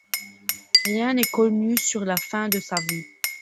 Rien n'est connu sur la fin de sa vie.